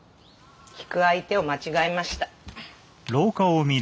聞く相手を間違えました。